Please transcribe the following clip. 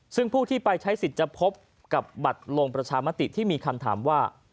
ซึ่งผู้ที่ไปใช้สิทธิ์จะพบกับบัตรลงประชามติที่มีคำถามว่า